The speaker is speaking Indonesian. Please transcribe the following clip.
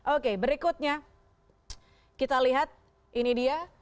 oke berikutnya kita lihat ini dia